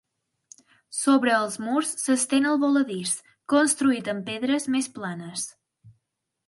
Sobre els murs s'estén el voladís, construït amb pedres més planes.